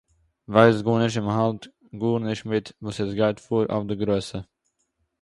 ווייסט גארנישט און מען האלט גארנישט מיט וואס עס גייט פאר אויף די גרויסע